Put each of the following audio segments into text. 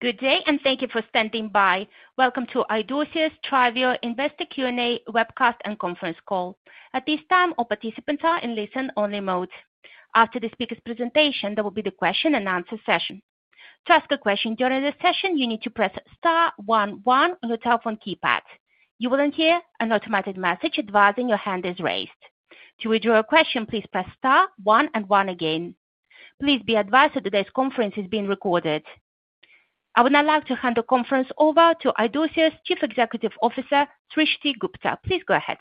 Good day and thank you for standing by. Welcome to Idorsia's TRYVIO Investor Q&A Webcast and Conference Call. At this time, all participants are in listen-only mode. After the speaker's presentation, there will be a question-and-answer session. To ask a question during the session, you need to press star one one on your telephone keypad. You will hear an automated message advising your hand is raised. To withdraw a question, please press star one and one again. Please be advised that today's conference is being recorded. I would now like to hand the conference over to Idorsia's Chief Executive Officer, Srishti Gupta. Please go ahead.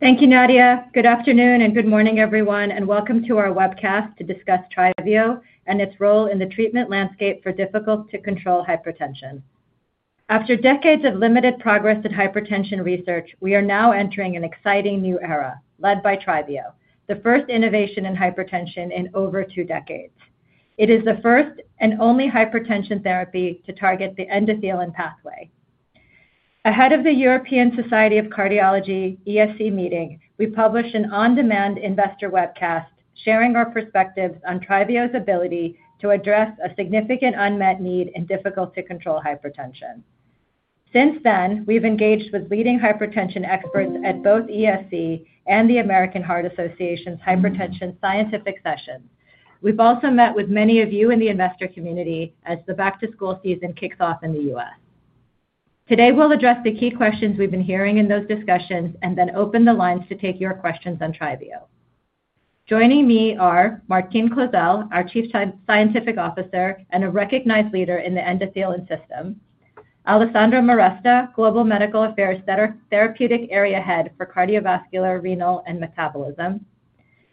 Thank you, Nadia. Good afternoon and good morning, everyone, and welcome to our webcast to discuss TRYVIO and its role in the treatment landscape for difficult-to-control hypertension. After decades of limited progress in hypertension research, we are now entering an exciting new era, led by TRYVIO, the first innovation in hypertension in over two decades. It is the first and only hypertension therapy to target the endothelin pathway. Ahead of the European Society of Cardiology (ESC) meeting, we published an on-demand investor webcast sharing our perspectives on TRYVIO's ability to address a significant unmet need in difficult-to-control hypertension. Since then, we've engaged with leading hypertension experts at both ESC and the American Heart Association's Hypertension Scientific Sessions. We've also met with many of you in the investor community as the back-to-school season kicks off in the US. Today, we'll address the key questions we've been hearing in those discussions and then open the lines to take your questions on TRYVIO. Joining me are Martine Clozel, our Chief Scientific Officer and a recognized leader in the endothelin system, Alessandro Maresta, Global Medical Affairs Therapeutic Area Head for Cardiovascular, Renal, and Metabolism,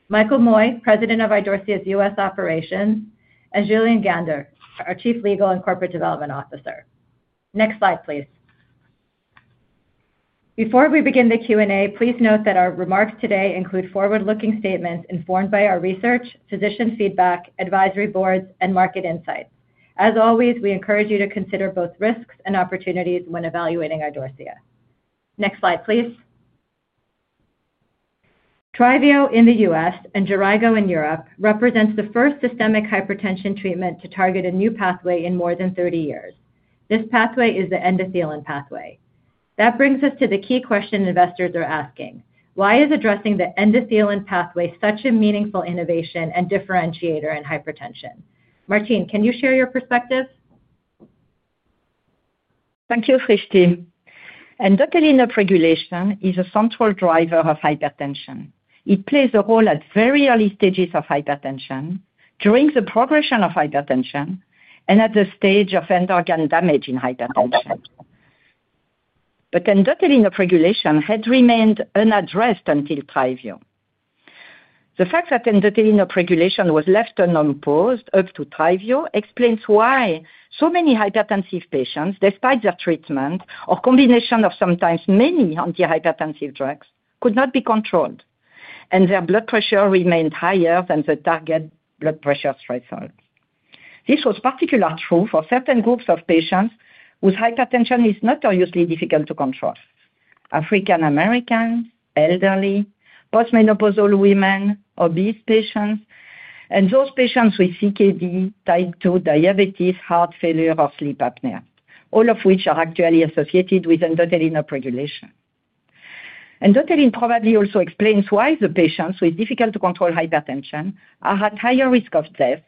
Michael Moye, President of IDORSIA's U.S. operations, and Julian Gander, our Chief Legal and Corporate Development Officer. Next slide, please. Before we begin the Q&A, please note that our remarks today include forward-looking statements informed by our research, physician feedback, advisory boards, and market insights. As always, we encourage you to consider both risks and opportunities when evaluating Idorsia. Next slide, please. TRYVIO in the U.S. and JERAYGO in Europe represents the first systemic hypertension treatment to target a new pathway in more than 30 years. This pathway is the endothelin pathway. That brings us to the key question investors are asking: Why is addressing the endothelin pathway such a meaningful innovation and differentiator in hypertension? Martine, can you share your perspective? Thank you, Srishti. Endothelin regulation is a central driver of hypertension. It plays a role at very early stages of hypertension, during the progression of hypertension, and at the stage of end-organ damage in hypertension. Endothelin regulation had remained unaddressed until TRYVIO. The fact that endothelin regulation was left unopposed up to TRYVIO explains why so many hypertensive patients, despite their treatment or combination of sometimes many antihypertensive drugs, could not be controlled, and their blood pressure remained higher than the target blood pressure threshold. This was particularly true for certain groups of patients whose hypertension is notoriously difficult to control: African Americans, elderly, postmenopausal women, obese patients, and those patients with CKD, type 2 diabetes, heart failure, or sleep apnea, all of which are actually associated with endothelin regulation. Endothelin probably also explains why the patients with difficult-to-control hypertension are at higher risk of death,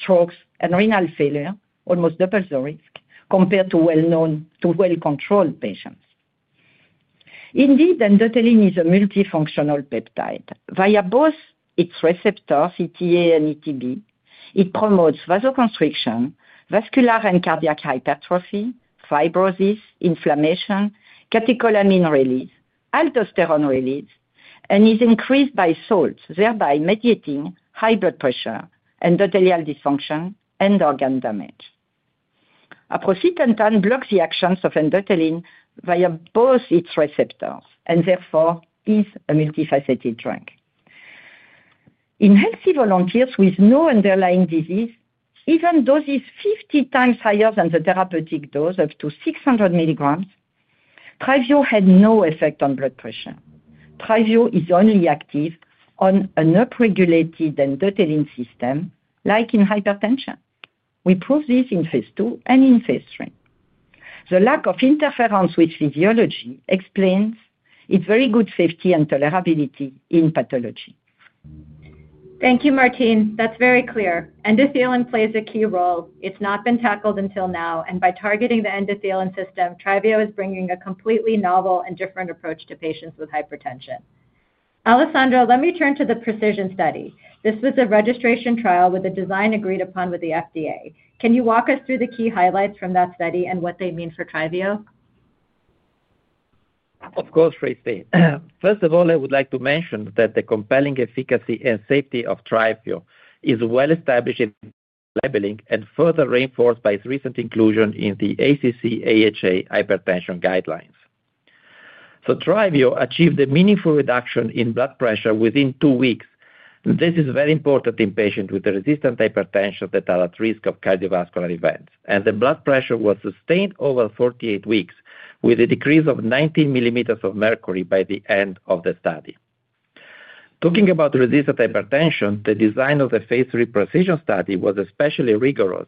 strokes, and renal failure, almost double the risk compared to well-controlled patients. Indeed, endothelin is a multifunctional peptide. Via both its receptors, ETA and ETB, it promotes vasoconstriction, vascular and cardiac hypertrophy, fibrosis, inflammation, catecholamine release, aldosterone release, and is increased by salt, thereby mediating high blood pressure, endothelial dysfunction, and organ damage. Apositantan blocks the actions of endothelin via both its receptors and therefore is a multifaceted drug. In healthy volunteers with no underlying disease, even doses 50 times higher than the therapeutic dose of up to 600mg, TRYVIO had no effect on blood pressure. TRYVIO is only active on an upregulated endothelin system, like in hypertension. We proved this in phase two and in phase three. The lack of interference with physiology explains its very good safety and tolerability in pathology. Thank you, Martine. That's very clear. Endothelin plays a key role. It's not been tackled until now, and by targeting the endothelin system, TRYVIO is bringing a completely novel and different approach to patients with hypertension. Alessandro, let me turn to the PRECISION study. This was a registration trial with a design agreed upon with the FDA. Can you walk us through the key highlights from that study and what they mean for TRYVIO? Of course, Srishti. First of all, I would like to mention that the compelling efficacy and safety of TRYVIO is well established in labeling and further reinforced by its recent inclusion in the ACC/AHA hypertension guidelines. TRYVIO achieved a meaningful reduction in blood pressure within two weeks. This is very important in patients with resistant hypertension that are at risk of cardiovascular events. The blood pressure was sustained over 48 weeks with a decrease of 19mm of mercury by the end of the study. Talking about resistant hypertension, the design of the phase three PRECISION study was especially rigorous,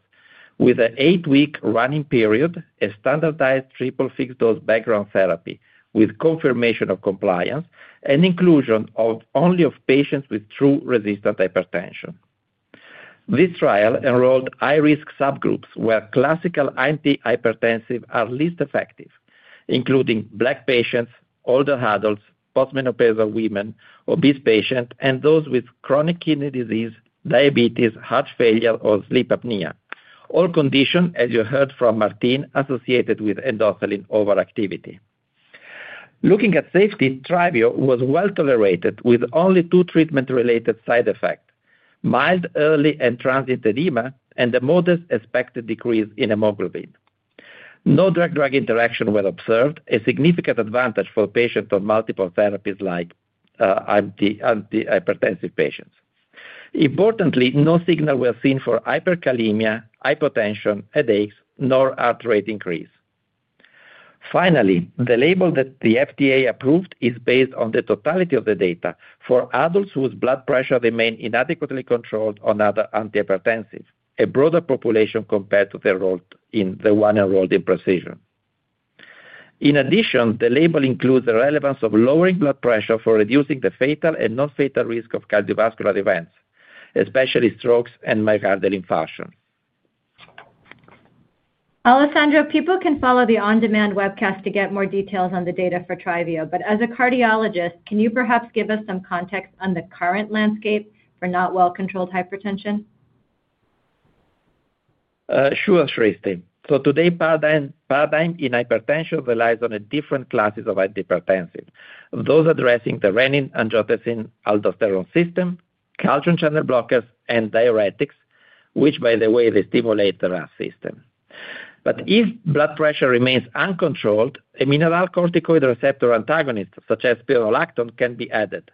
with an eight-week run-in period, a standardized triple fixed dose background therapy with confirmation of compliance, and inclusion only of patients with true resistant hypertension. This trial enrolled high-risk subgroups where classical antihypertensives are least effective, including Black patients, older adults, postmenopausal women, obese patients, and those with chronic kidney disease, diabetes, heart failure, or sleep apnea, all conditions, as you heard from Martine, associated with endothelin overactivity. Looking at safety, TRYVIO was well tolerated with only two treatment-related side effects: mild early and transient edema and a modest expected decrease in hemoglobin. No drug-drug interaction was observed, a significant advantage for patients on multiple therapies like antihypertensive patients. Importantly, no signal was seen for hyperkalemia, hypotension, headaches, nor heart rate increase. Finally, the label that the FDA approved is based on the totality of the data for adults whose blood pressure remained inadequately controlled on other antihypertensives, a broader population compared to the one enrolled in PRECISION. In addition, the label includes the relevance of lowering blood pressure for reducing the fatal and non-fatal risk of cardiovascular events, especially strokes and myocardial infarctions. Alessandro, people can follow the on-demand webcast to get more details on the data for TRYVIO, but as a cardiologist, can you perhaps give us some context on the current landscape for not well-controlled hypertension? Sure, Srishti. Today's paradigm in hypertension relies on different classes of antihypertensives, those addressing the renin-angiotensin-aldosterone system, calcium channel blockers, and diuretics, which, by the way, stimulate the RAS system. If blood pressure remains uncontrolled, a mineralocorticoid receptor antagonist such as spironolactone can be added,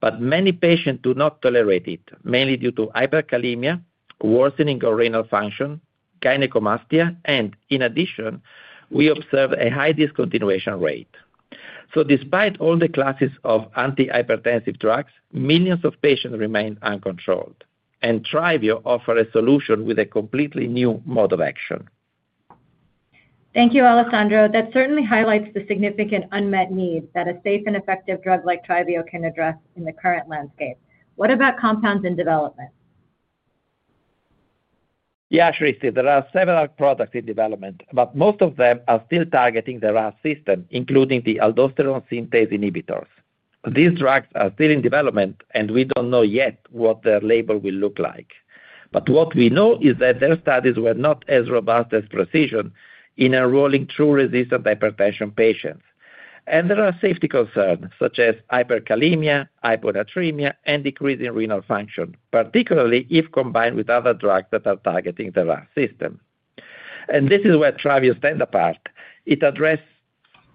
but many patients do not tolerate it, mainly due to hyperkalemia, worsening of renal function, gynecomastia, and in addition, we observed a high discontinuation rate. Despite all the classes of antihypertensive drugs, millions of patients remain uncontrolled, and TRYVIO offers a solution with a completely new mode of action. Thank you, Alessandro. That certainly highlights the significant unmet need that a safe and effective drug like TRYVIO can address in the current landscape. What about compounds in development? Yeah, Srishti, there are several products in development, but most of them are still targeting the RAS system, including the aldosterone synthase inhibitors. These drugs are still in development, and we don't know yet what their label will look like. What we know is that their studies were not as robust as PRECISION in enrolling true resistant hypertension patients. There are safety concerns such as hyperkalemia, hyponatremia, and decrease in renal function, particularly if combined with other drugs that are targeting the RAS system. This is where TRYVIO stands apart. It addresses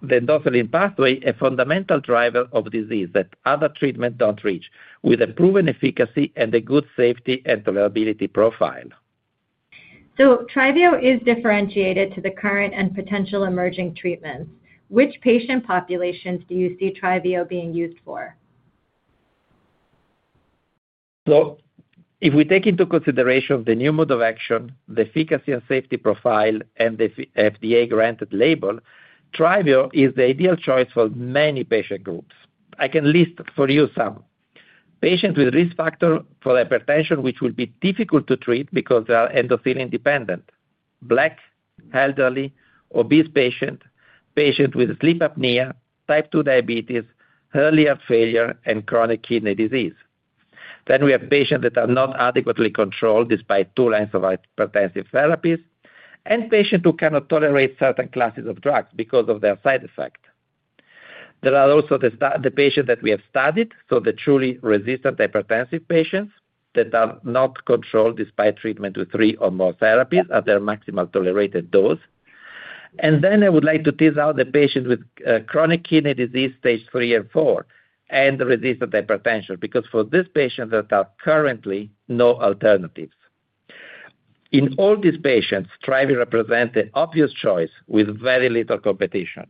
the endothelin pathway, a fundamental driver of disease that other treatments don't reach, with a proven efficacy and a good safety and tolerability profile. TRYVIO is differentiated to the current and potential emerging treatments. Which patient populations do you see TRYVIO being used for? If we take into consideration the new mode of action, the efficacy and safety profile, and the FDA-granted label, TRYVIO is the ideal choice for many patient groups. I can list for you some: patients with risk factors for hypertension, which will be difficult to treat because they are endothelin dependent; Black, elderly, obese patients; patients with sleep apnea, type 2 diabetes, early heart failure, and chronic kidney disease. We have patients that are not adequately controlled despite two lines of hypertensive therapies, and patients who cannot tolerate certain classes of drugs because of their side effects. There are also the patients that we have studied, so the truly resistant hypertensive patients that are not controlled despite treatment with three or more therapies at their maximal tolerated dose. I would like to tease out the patients with chronic kidney disease stage 3 and 4 and resistant hypertension, because for these patients there are currently no alternatives. In all these patients, TRYVIO represents an obvious choice with very little competition.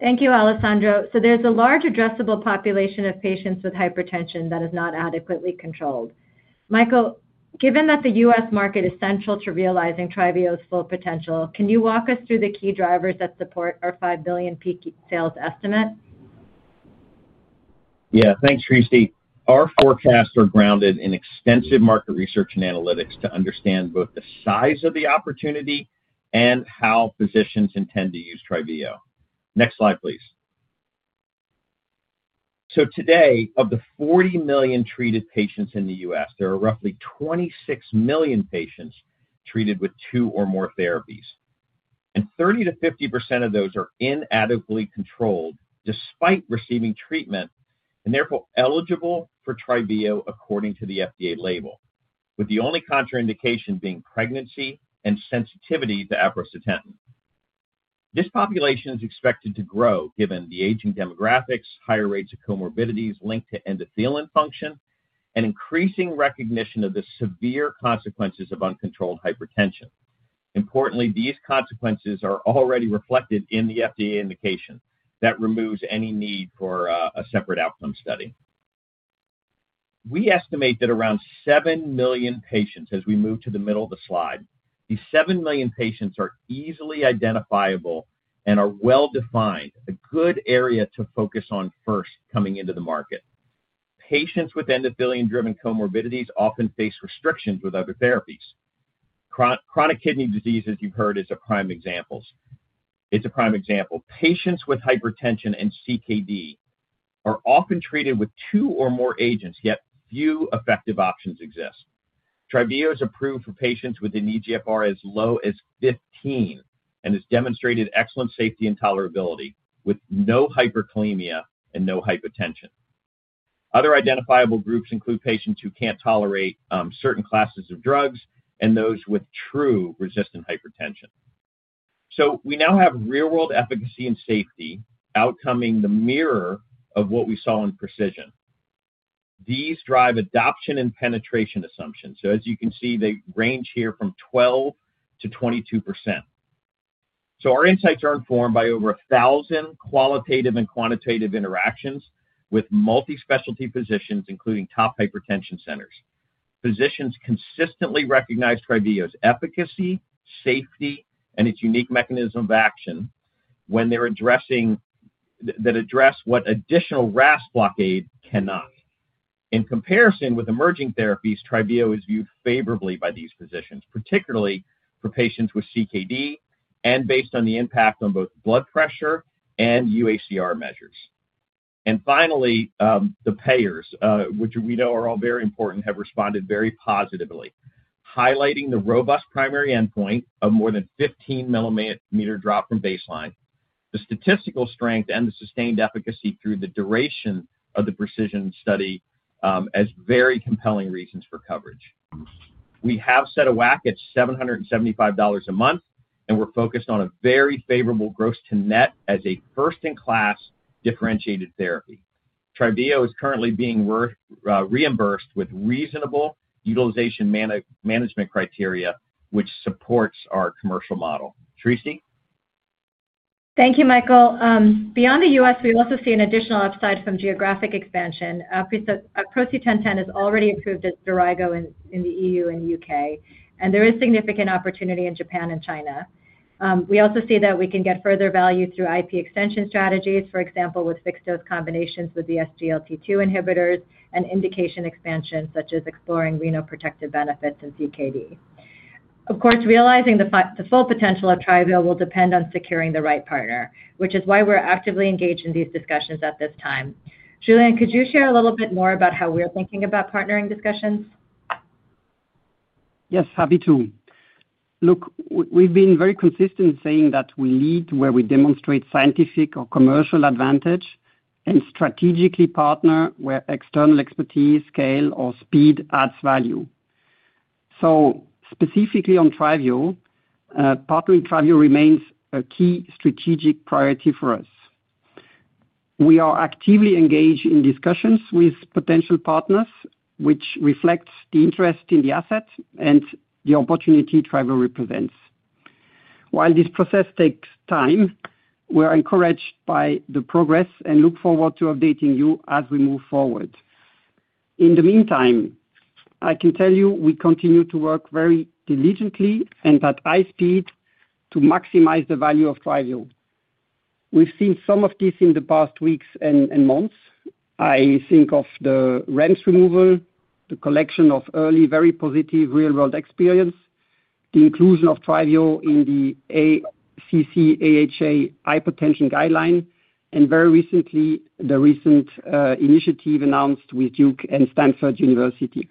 Thank you, Alessandro. There's a large addressable population of patients with hypertension that is not adequately controlled. Michael, given that the U.S. market is central to realizing TRYVIO's full potential, can you walk us through the key drivers that support our $5 billion peak sales estimate? Yeah, thanks, Srishti. Our forecasts are grounded in extensive market research and analytics to understand both the size of the opportunity and how physicians intend to use TRYVIO. Next slide, please. Today, of the 40 million treated patients in the U.S., there are roughly 26 million patients treated with two or more therapies, and 30%-50% of those are inadequately controlled despite receiving treatment and therefore eligible for TRYVIO according to the FDA label, with the only contraindication being pregnancy and sensitivity to atorvastatin. This population is expected to grow given the aging demographics, higher rates of comorbidities linked to endothelin function, and increasing recognition of the severe consequences of uncontrolled hypertension. Importantly, these consequences are already reflected in the FDA indication that removes any need for a separate outcome study. We estimate that around 7 million patients, as we move to the middle of the slide, these 7 million patients are easily identifiable and are well-defined, a good area to focus on first coming into the market. Patients with endothelin-driven comorbidities often face restrictions with other therapies. Chronic kidney disease, as you've heard, is a prime example. Patients with hypertension and CKD are often treated with two or more agents, yet few effective options exist. TRYVIO is approved for patients with an EGFR as low as 15 and has demonstrated excellent safety and tolerability with no hyperkalemia and no hypotension. Other identifiable groups include patients who can't tolerate certain classes of drugs and those with true resistant hypertension. We now have real-world efficacy and safety outcomes mirroring what we saw in PRECISION. These drive adoption and penetration assumptions. As you can see, they range here from 12%-22%. Our insights are informed by over 1,000 qualitative and quantitative interactions with multi-specialty physicians, including top hypertension centers. Physicians consistently recognize TRYVIO's efficacy, safety, and its unique mechanism of action that addresses what additional RAS blockade cannot. In comparison with emerging therapies, TRYVIO is viewed favorably by these physicians, particularly for patients with CKD and based on the impact on both blood pressure and UHDR measures. Finally, the payers, which we know are all very important, have responded very positively, highlighting the robust primary endpoint of more than 15 mm drop from baseline, the statistical strength, and the sustained efficacy through the duration of the PRECISION study as very compelling reasons for coverage. We have set a WACC at $775 a month, and we're focused on a very favorable gross-to-net as a first-in-class differentiated therapy. TRYVIO is currently being reimbursed with reasonable utilization management criteria, which supports our commercial model. Srishti? Thank you, Michael. Beyond the U.S., we also see an additional upside from geographic expansion. Apositantan is already approved as JERAYGO in the EU and U.K., and there is significant opportunity in Japan and China. We also see that we can get further value through IP extension strategies, for example, with fixed dose combinations with the SGLT2 inhibitors and indication expansions, such as exploring renoprotective benefits in CKD. Of course, realizing the full potential of TRYVIO will depend on securing the right partner, which is why we're actively engaged in these discussions at this time. Julian, could you share a little bit more about how we're thinking about partnering discussions? Yes, happy to. Look, we've been very consistent in saying that we lead where we demonstrate scientific or commercial advantage and strategically partner where external expertise, scale, or speed adds value. Specifically on TRYVIO, partnering with TRYVIO remains a key strategic priority for us. We are actively engaged in discussions with potential partners, which reflect the interest in the asset and the opportunity TRYVIO represents. While this process takes time, we're encouraged by the progress and look forward to updating you as we move forward. In the meantime, I can tell you we continue to work very diligently and at high speed to maximize the value of TRYVIO. We've seen some of this in the past weeks and months. I think of the REMS removal, the collection of early very positive real-world experience, the inclusion of TRYVIO in the ACC/AHA hypertension guideline, and very recently the recent initiative announced with Duke and Stanford University.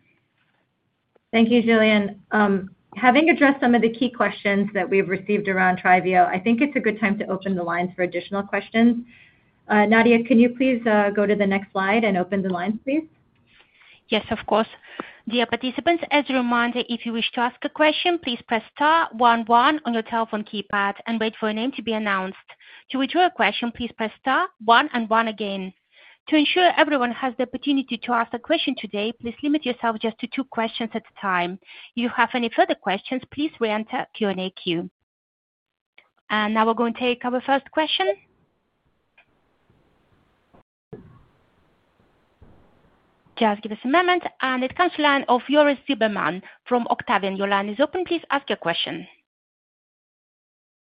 Thank you, Julien. Having addressed some of the key questions that we've received around TRYVIO, I think it's a good time to open the lines for additional questions. Nadia, can you please go to the next slide and open the lines, please? Yes, of course. Dear participants, as a reminder, if you wish to ask a question, please press star one one on your telephone keypad and wait for your name to be announced. To withdraw a question, please press star one and one again. To ensure everyone has the opportunity to ask a question today, please limit yourself just to two questions at a time. If you have any further questions, please re-enter the Q&A queue. Now we're going to take our first question. Just give us a moment, it comes to the line of Joris Timmerman from Octavian. Your line is open. Please ask your question.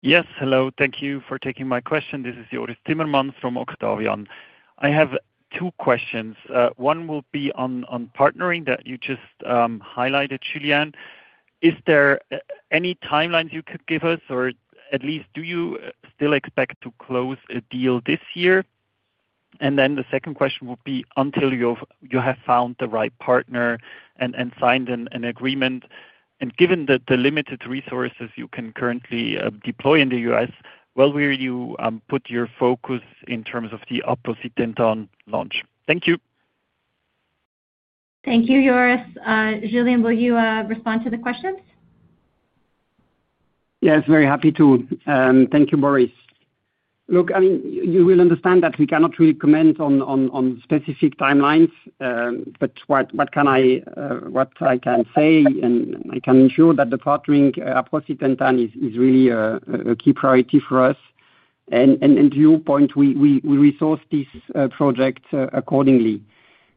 Yes, hello. Thank you for taking my question. This is Joris Zimmermann from Octavian. I have two questions. One will be on partnering that you just highlighted, Julian. Is there any timeline you could give us, or at least do you still expect to close a deal this year? The second question will be: until you have found the right partner and signed an agreement, and given the limited resources you can currently deploy in the U.S., where will you put your focus in terms of the apositantan launch? Thank you. Thank you, Joris. Julian, will you respond to the question? Yes, very happy to. Thank you, Joris. Look, I mean, you will understand that we cannot really comment on specific timelines, but what I can say, and I can ensure that the partnering apositantan is really a key priority for us. To your point, we resource this project accordingly.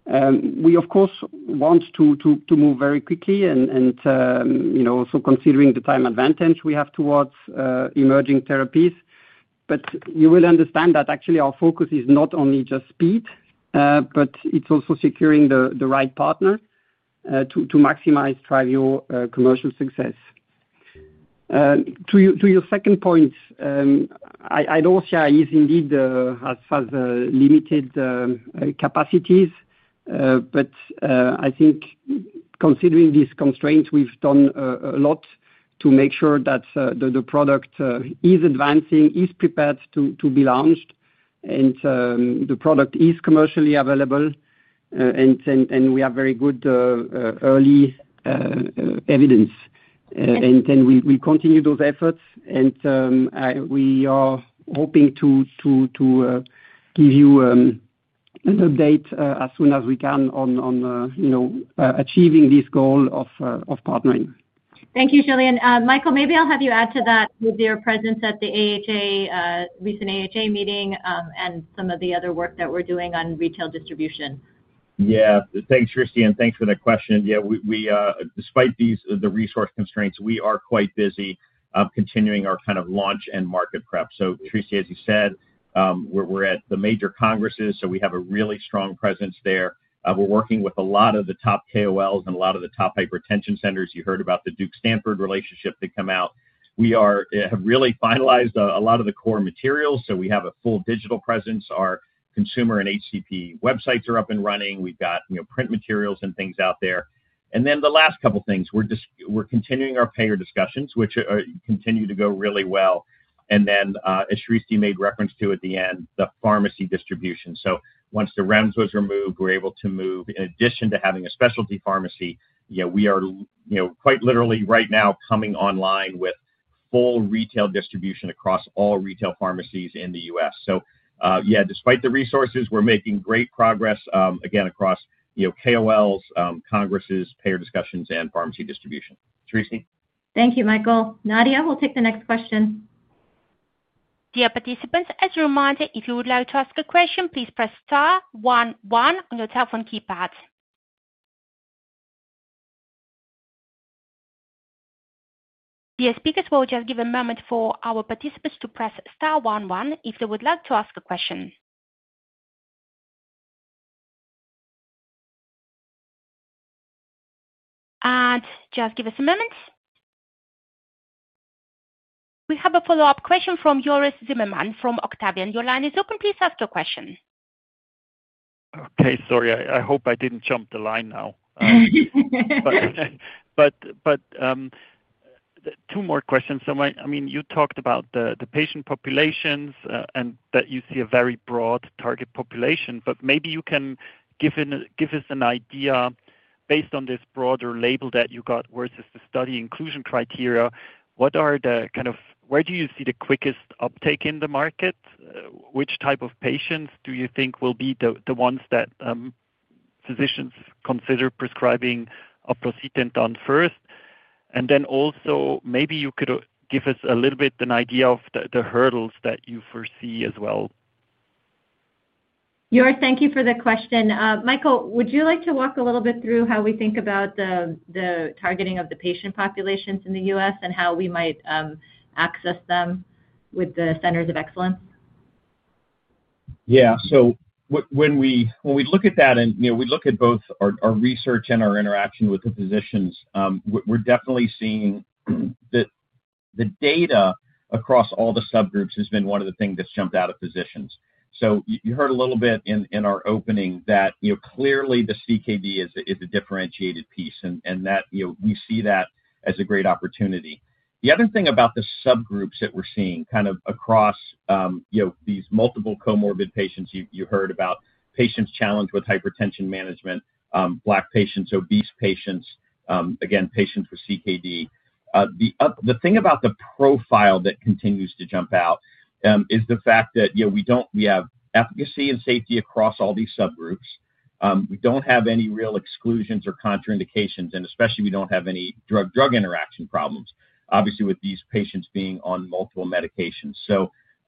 We, of course, want to move very quickly, also considering the time advantage we have towards emerging therapies, but you will understand that actually our focus is not only just speed, but it's also securing the right partner to maximize TRYVIO commercial success. To your second point, Idorsia indeed has limited capacities, but I think considering these constraints, we've done a lot to make sure that the product is advancing, is prepared to be launched, and the product is commercially available, and we have very good early evidence. We continue those efforts, and we are hoping to give you an update as soon as we can on achieving this goal of partnering. Thank you, Julian. Michael, maybe I'll have you add to that with your presence at the recent AHA meeting and some of the other work that we're doing on retail distribution. Yeah, thanks, Srishti, and thanks for that question. Yeah, despite the resource constraints, we are quite busy continuing our kind of launch and market prep. Srishti, as you said, we're at the major congresses, so we have a really strong presence there. We're working with a lot of the top KOLs and a lot of the top hypertension centers. You heard about the Duke-Stanford relationship that came out. We have really finalized a lot of the core materials, so we have a full digital presence. Our consumer and HCP websites are up and running. We've got print materials and things out there. The last couple of things, we're continuing our payer discussions, which continue to go really well. As Srishti made reference to at the end, the pharmacy distribution. Once the REMS was removed, we're able to move, in addition to having a specialty pharmacy, we are quite literally right now coming online with full retail distribution across all retail pharmacies in the US. Yeah, despite the resources, we're making great progress again across KOLs, congresses, payer discussions, and pharmacy distribution. Srishti? Thank you, Michael. Nadia, we'll take the next question. Dear participants, as a reminder, if you would like to ask a question, please press star one one on your telephone keypad. Dear speakers, we'll just give a moment for our participants to press star one one if they would like to ask a question. Please give us a moment. We have a follow-up question from Joris Zimmerman from Octavian. Your line is open. Please ask your question. Okay, sorry. I hope I didn't jump the line now. Two more questions. You talked about the patient populations and that you see a very broad target population, but maybe you can give us an idea based on this broader label that you got versus the study inclusion criteria. What are the kind of, where do you see the quickest uptake in the market? Which type of patients do you think will be the ones that physicians consider prescribing apositantan first? Also, maybe you could give us a little bit of an idea of the hurdles that you foresee as well. Joris, thank you for the question. Michael, would you like to walk a little bit through how we think about the targeting of the patient populations in the U.S. and how we might access them with the centers of excellence? Yeah, so when we look at that and, you know, we look at both our research and our interaction with the physicians, we're definitely seeing that the data across all the subgroups has been one of the things that's jumped out at physicians. You heard a little bit in our opening that, you know, clearly the CKD is a differentiated piece and that, you know, we see that as a great opportunity. The other thing about the subgroups that we're seeing kind of across these multiple comorbid patients, you heard about patients challenged with hypertension management, Black patients, obese patients, again, patients with CKD. The thing about the profile that continues to jump out is the fact that, you know, we have efficacy and safety across all these subgroups. We don't have any real exclusions or contraindications, and especially we don't have any drug-drug interaction problems, obviously, with these patients being on multiple medications.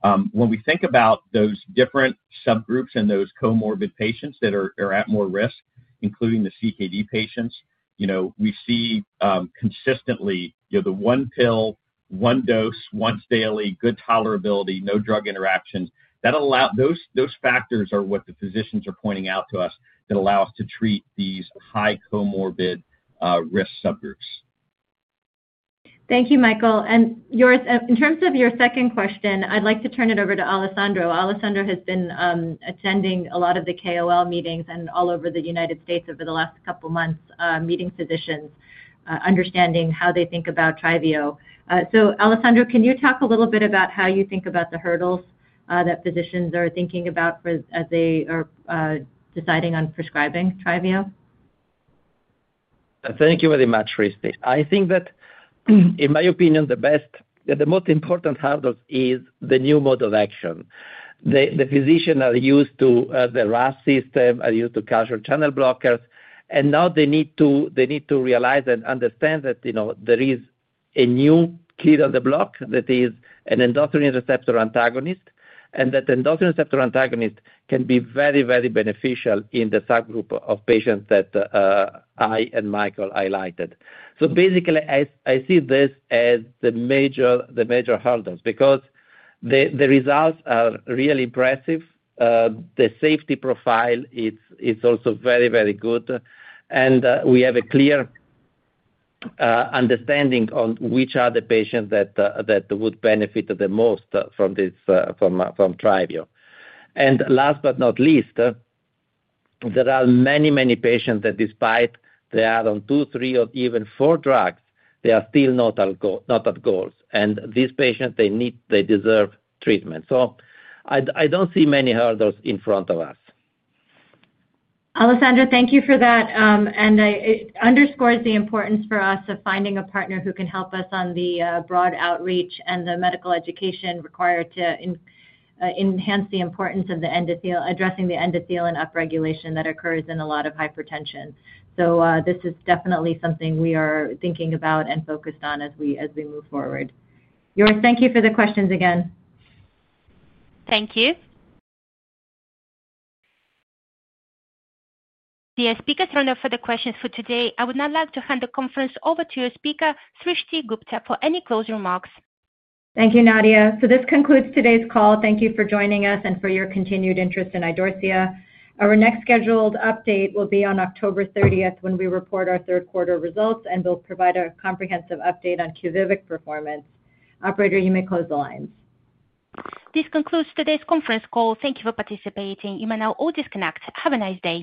When we think about those different subgroups and those comorbid patients that are at more risk, including the CKD patients, we see consistently the one pill, one dose, once daily, good tolerability, no drug interactions. Those factors are what the physicians are pointing out to us that allow us to treat these high comorbid risk subgroups. Thank you, Michael. Joris, in terms of your second question, I'd like to turn it over to Alessandro. Alessandro has been attending a lot of the KOL meetings all over the United States over the last couple of months meeting physicians, understanding how they think about TRYVIO. Alessandro, can you talk a little bit about how you think about the hurdles that physicians are thinking about as they are deciding on prescribing TRYVIO? Thank you very much, Srishti. I think that, in my opinion, the best, the most important hurdle is the new mode of action. The physicians are used to the RAS system, are used to calcium channel blockers, and now they need to realize and understand that, you know, there is a new kid on the block that is an endothelin receptor antagonist, and that endothelin receptor antagonist can be very, very beneficial in the subgroup of patients that I and Michael highlighted. Basically, I see this as the major hurdle because the results are really impressive. The safety profile is also very, very good, and we have a clear understanding on which are the patients that would benefit the most from TRYVIO. Last but not least, there are many, many patients that despite they are on two, three, or even four drugs, they are still not at goal, and these patients, they need, they deserve treatment. I don't see many hurdles in front of us. Alessandro, thank you for that, and it underscores the importance for us of finding a partner who can help us on the broad outreach and the medical education required to enhance the importance of addressing the endothelin upregulation that occurs in a lot of hypertension. This is definitely something we are thinking about and focused on as we move forward. Joris, thank you for the questions again. Thank you. Dear speakers, those are all the questions for today. I would now like to hand the conference over to your speaker, Srishti Gupta, for any closing remarks. Thank you, Nadia. This concludes today's call. Thank you for joining us and for your continued interest in Idorsia. Our next scheduled update will be on October 30th when we report our third quarter results and will provide a comprehensive update on QUVIVIQ performance. Operator, you may close the line. This concludes today's conference call. Thank you for participating. You may now all disconnect. Have a nice day.